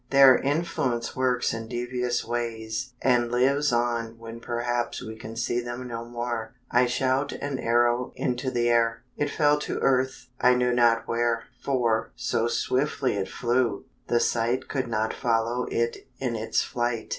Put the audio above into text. Their influence works in devious ways and lives on when perhaps we can see them no more. I shout an arrow into the air, It fell to earth, I knew not where; For, so swiftly it flew, the sight Could not follow it in its flight.